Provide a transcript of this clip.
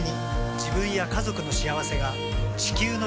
自分や家族の幸せが地球の幸せにつながっている。